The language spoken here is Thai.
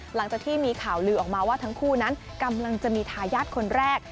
หลังจากที่มีข่าวลือออกมาว่าทั้งคู่นั้นกำลังจะมีทายาทคนแรก